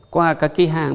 qua các cái hang